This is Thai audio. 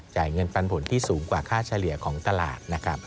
จ่ายเงินปันผลที่สูงกว่าค่าเฉลี่ยของตลาดนะครับ